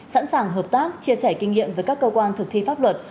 sẵn sàng hợp tác chia sẻ kinh nghiệm với các cơ quan thực thi pháp luật